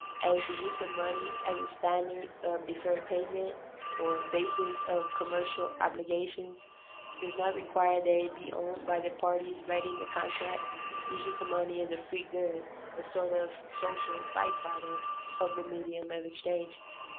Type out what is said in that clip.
As the use of money as a standard of deferred payment, or basis of commercial obligations, does not require that it be owned by the parties writing the contract, this use of money is a free good, a sort of social by product of the medium of exchange.